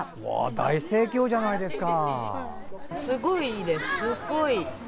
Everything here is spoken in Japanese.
大盛況じゃないですか。